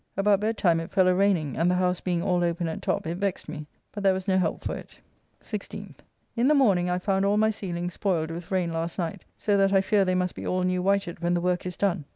About bedtime it fell a raining, and the house being all open at top, it vexed me; but there was no help for it. 16th. In the morning I found all my ceilings, spoiled with rain last night, so that I fear they must be all new whited when the work is done.